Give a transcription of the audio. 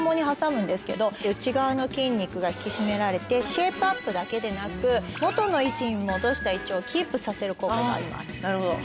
内側の筋肉が引き締められてシェイプアップだけでなく元の位置に戻した胃腸をキープさせる効果もあります。